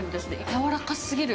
やわらかすぎる。